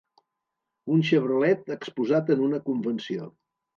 Un Chevrolet exposat en una convenció.